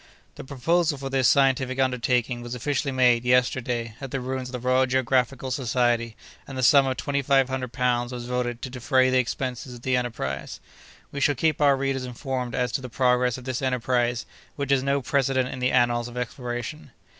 "The proposal for this scientific undertaking was officially made, yesterday, at the rooms of the Royal Geographical Society, and the sum of twenty five hundred pounds was voted to defray the expenses of the enterprise. "We shall keep our readers informed as to the progress of this enterprise, which has no precedent in the annals of exploration."